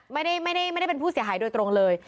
ไม่ได้ไม่ได้ไม่ได้เป็นผู้เสียหายโดยตรงเลย